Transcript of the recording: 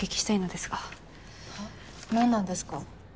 何なんですか。